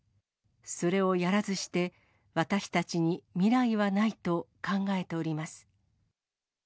それをやらずして、私たちに未来はないと考えております。